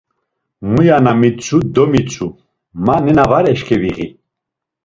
Muya na mitzu demitzu, ma nena var eşǩeviği.